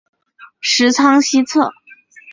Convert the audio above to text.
十仓西侧。